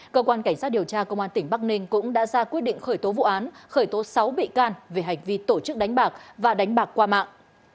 cơ quan cảnh sát điều tra công an tỉnh bắc ninh cũng đã ra quyết định khởi tố vụ án khởi tố sáu bị can về hành vi tổ chức đánh bạc và đánh bạc qua mạng